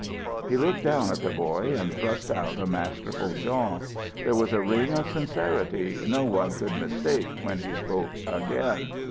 He looked down at the boy and thrust out a masterful jaw. There was a ring of sincerity no one could mistake when he spoke again.